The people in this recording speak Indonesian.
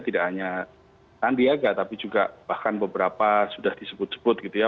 tidak hanya sandiaga tapi juga bahkan beberapa sudah disebut sebut gitu ya